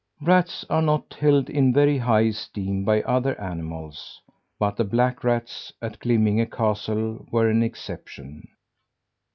Rats are not held in very high esteem by other animals; but the black rats at Glimminge castle were an exception.